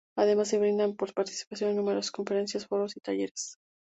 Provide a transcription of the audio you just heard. Además de brindar su participación en numerosas conferencias, foros y talleres.